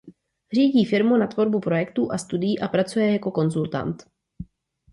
Řídí firmu na tvorbu projektů a studií a pracuje jako konzultant.